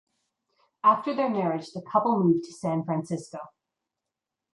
After their marriage the couple moved to San Francisco.